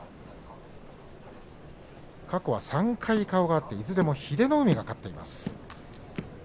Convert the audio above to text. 過去は３回顔が合っていずれも英乃海が勝っています。